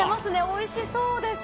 おいしそうです！